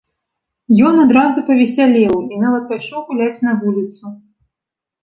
Ён адразу павесялеў і нават пайшоў гуляць на вуліцу.